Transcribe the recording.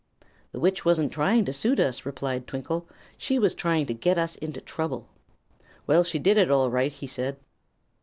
"The witch wasn't trying to suit us," replied Twinkle; "she was trying to get us into trouble." "Well, she did it, all right," he said.